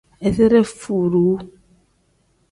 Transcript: Izire furuu.